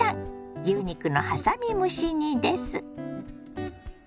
牛肉のはさみ蒸し煮です。